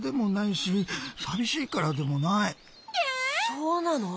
そうなの！？